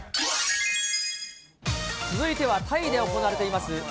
続いては、タイで行われています